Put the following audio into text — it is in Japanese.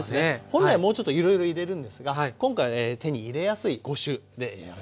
本来もうちょっといろいろ入れるんですが今回手に入れやすい５種でやらせて頂ければ。